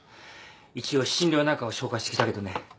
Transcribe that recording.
一応心療内科を紹介してきたけどね。